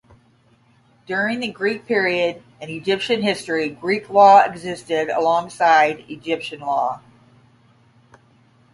During the Greek period in Egyptian history, Greek law existed alongside Egyptian law.